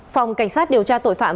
phòng cảnh sát điều tra tội phạm